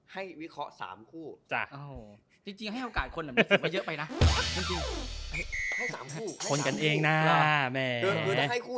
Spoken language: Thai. ให้วิเคราะห์๓คู่